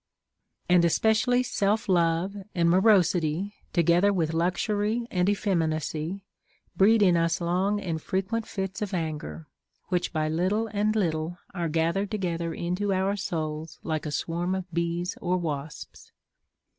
13. And especially self love and morosity, together Avith luxury and effeminacy, breed in us long and frequent fits of anger, which by little and little are gathered together into our souls, like a swarm of bees or \vasps.